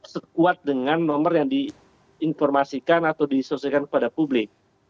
sekuat dengan nomor yang diinformasikan atau diselesaikan kepada publik